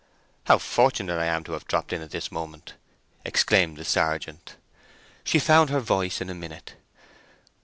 "How fortunate I am to have dropped in at this moment!" exclaimed the sergeant. She found her voice in a minute.